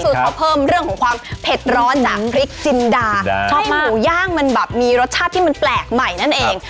คือเขาเพิ่มเรื่องของความเผ็ดร้อนจากพริกจินดาชอบหมูย่างมันแบบมีรสชาติที่มันแปลกใหม่นั่นเอง